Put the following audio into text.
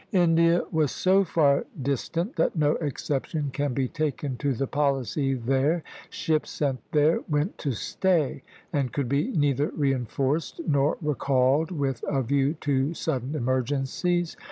India was so far distant that no exception can be taken to the policy there. Ships sent there went to stay, and could be neither reinforced nor recalled with a view to sudden emergencies.